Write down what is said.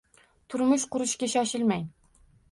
Turmush qurishga shoshilmang